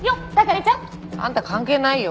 係長！あんた関係ないよ。